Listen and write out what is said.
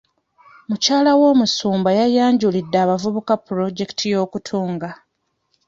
Mukyala w'omusumba yayanjulidde abavubuka pulojekiti y'okutunga.